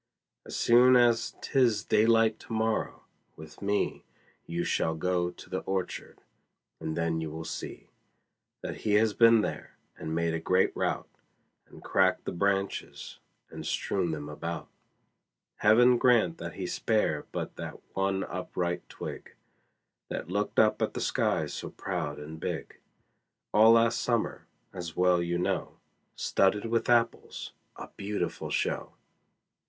As soon as 'tis daylight tomorrow, with me You shall go to the orchard, and then you will see That he has been there, and made a great rout, And cracked the branches, and strewn them about; Heaven grant that he spare but that one upright twig That looked up at the sky so proud and big All last summer, as well you know, Studded with apples, a beautiful show!